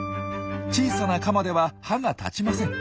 小さなカマでは歯が立ちません。